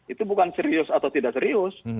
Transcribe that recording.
itu bukan serius atau tidak serius